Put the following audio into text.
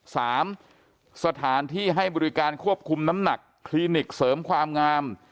สถานที่ให้บริการควบคุมน้ำหนักคลินิกเสริมความงาม